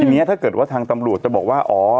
ทีนี้ถ้าเกิดว่าทางตำรวจจะบอกว่าอ๋อ